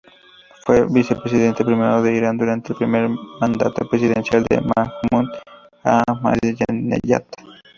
Fue vicepresidente primero de Irán durante el primer mandato presidencial de Mahmud Ahmadineyad.